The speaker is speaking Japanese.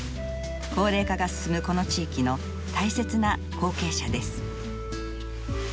高齢化が進むこの地域の大切な後継者です。